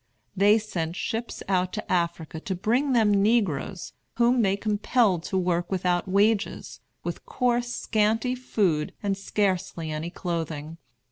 They sent ships out to Africa to bring them negroes, whom they compelled to work without wages, with coarse, scanty food, and scarcely any clothing.